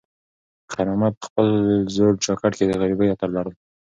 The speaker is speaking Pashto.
خیر محمد په خپل زوړ جاکټ کې د غریبۍ عطر لرل.